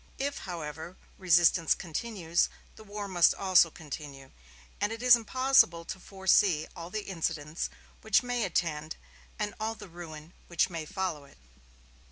If, however, resistance continues, the war must also continue; and it is impossible to foresee all the incidents which may attend and all the ruin which may follow it.